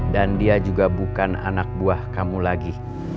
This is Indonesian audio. dan dia juga bukan anak buah kamu lagi